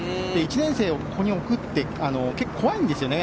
１年生をここに置くって結構怖いんですよね。